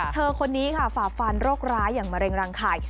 เธอคนนี้ฝาบฟันโรคร้ายอย่างมะเร็งรังไข่